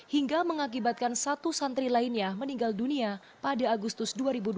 hingga mengakibatkan satu santri lainnya meninggal dunia pada agustus dua ribu dua puluh